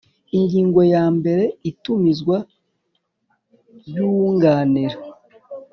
Ingingo ya mbere Itumizwa ry uwunganira